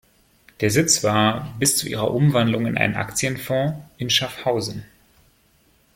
Der Sitz war, bis zu ihrer Umwandlung in einen Aktienfonds, in Schaffhausen.